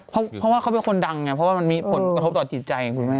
เพราะว่าเขาเป็นคนดังมันมีผลกระทบต่อจิตใจ